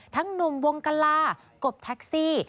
หนุ่มวงกลากบแท็กซี่